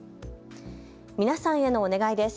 皆さんへのお願いです。